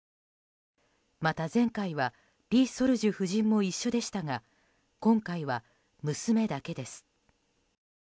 また前回はリ・ソルジュ夫人も一緒でしたが今回は、娘だけです。